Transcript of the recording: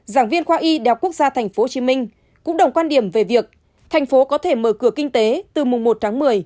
giảng viên khoa y đạo quốc gia tp hcm cũng đồng quan điểm về việc thành phố có thể mở cửa kinh tế từ mùng một tráng một mươi